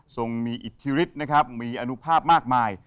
ที่มีอิทธิริตมีอนุภาพมากมาย